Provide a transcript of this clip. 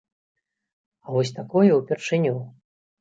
А вось такое ўпершыню.